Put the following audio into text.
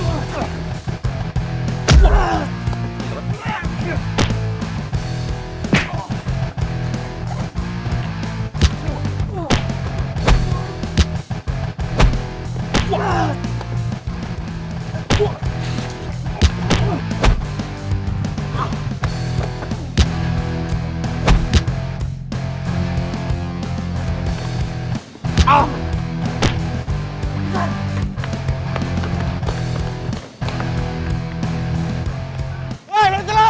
woy lantai dulu